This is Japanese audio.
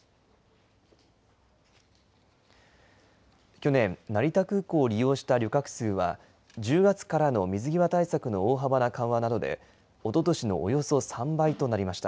去年、成田空港を利用した旅客数は、１０月からの水際対策の大幅な緩和などで、おととしのおよそ３倍となりました。